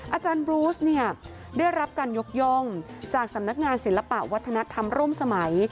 อาจารย์บรูสเนี่ยได้รับการยกย่องจากสำนักงานศิลปะวัฒนธรรมร่วมสมัย